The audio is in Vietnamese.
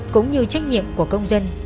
cũng như trách nhiệm của công dân